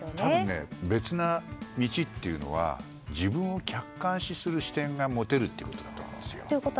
多分、別の道というのは自分を客観視する視点が持てるということだと思うんですよ。